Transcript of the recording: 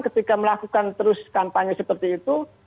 ketika melakukan terus kampanye seperti itu